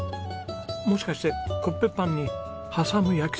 もしかしてコッペパンに挟む焼きそばかしら？